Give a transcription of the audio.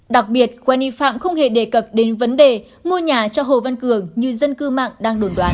đặc biệt wani phạm không hề đề cập đến vấn đề mua nhà cho hồ văn cường như dân cư mạng đang đồn đoán